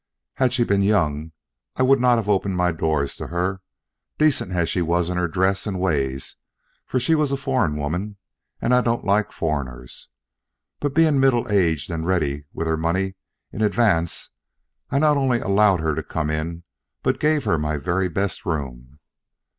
Had she been young, I would not have opened my doors to her, decent as she was in her dress and ways; for she was a foreign woman and I don't like foreigners. But being middle aged and ready with her money in advance, I not only allowed her to come in but gave her my very best room.